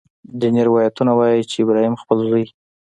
ځینې روایتونه وایي چې ابراهیم خپل زوی.